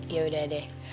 ya udah deh